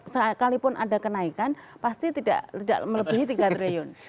sekalipun ada kenaikan pasti tidak melebihi tiga triliun